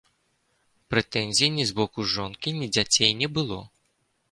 Прэтэнзій ні з боку жонкі, ні дзяцей не было.